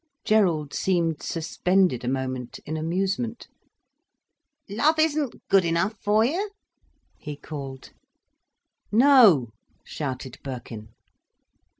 Gerald seemed suspended a moment, in amusement. "Love isn't good enough for you?" he called. "No!" shouted Birkin.